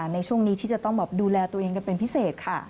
ในช่วงนี้ที่จะต้องแบบดูแลตัวเองกันเป็นพิเศษค่ะ